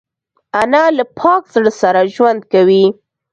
انا له پاک زړه سره ژوند کوي